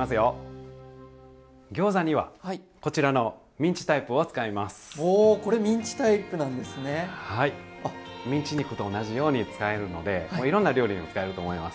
ミンチ肉と同じように使えるのでいろんな料理にも使えると思います。